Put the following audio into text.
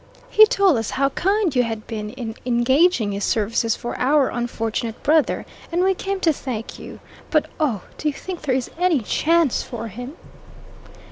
He told us how kind you had been in engaging his services for our unfortunate brother, and we came to thank you. But oh, do you think there is any chance for him?"